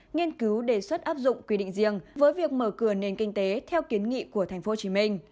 nghiên cứu đề xuất áp dụng quy định riêng với việc mở cửa nền kinh tế theo kiến nghị của tp hcm